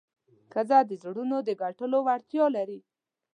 ښځه د زړونو د ګټلو وړتیا لري.